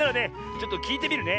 ちょっときいてみるね。